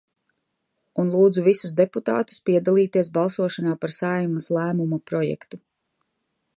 Un lūdzu visus deputātus piedalīties balsošanā par Saeimas lēmuma projektu.